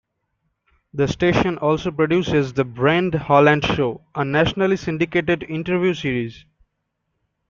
The station also produces "The Brent Holland Show", a nationally syndicated interview series.